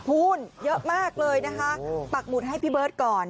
คุณเยอะมากเลยนะคะปักหมุดให้พี่เบิร์ตก่อน